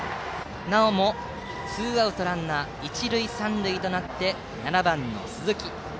なおもツーアウトランナー一塁三塁となって７番、鈴木。